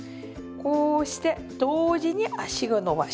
こうして同時に足を伸ばし。